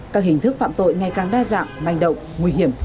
các hình thức phạm tội ngày càng đa dạng manh động nguy hiểm